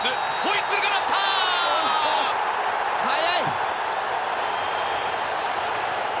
速い！